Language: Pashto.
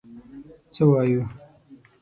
څه وایو.